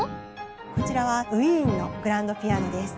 こちらはウィーンのグランドピアノです。